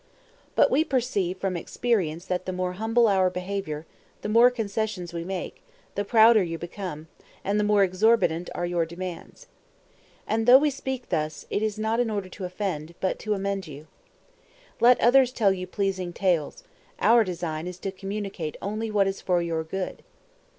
But we perceive from experience that the more humble our behavior, the more concessions we make, the prouder you become, and the more exorbitant are your demands. And though we speak thus, it is not in order to offend, but to amend you. Let others tell you pleasing tales, our design is to communicate only what is for your good.